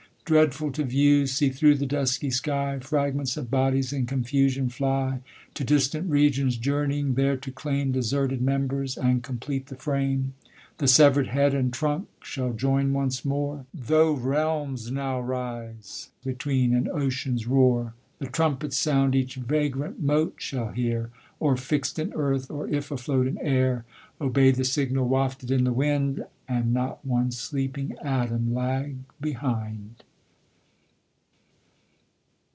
Dreadful to view, see throuirh the dusky sky Fragments of bodies in confusion fly, To distant regions journeying, there to claim JJeserted members, and complete the frame The severd head and trunk shall join once more, Ihough realms now rise between, and oceans roan 1 he trumpet's sound each vagrant mote shall hear, Ur hxW in earth, or if afloat in air. Obey the signal, wafted in the wind, A'k] not one sleeping e tom lag behind."